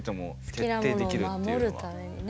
徹底できるっていうのはね。